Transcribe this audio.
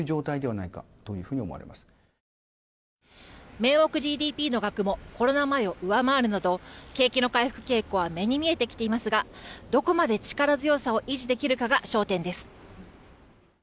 名目ＧＤＰの額もコロナ前を上回るなど景気の回復傾向は目に見えてきていますがどこまで力強さを維持できるかが焦点です。